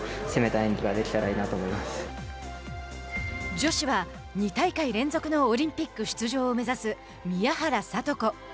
女子は、２大会連続のオリンピック出場を目指す宮原知子。